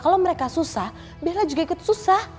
kalau mereka susah biasanya juga ikut susah